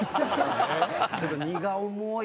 荷が重い。